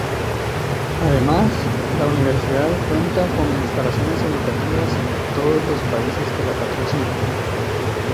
Además, la universidad cuenta con instalaciones educativas en todos los países que la patrocinan.